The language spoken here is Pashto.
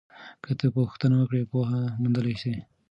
که ته پوښتنه وکړې پوهه موندلی سې.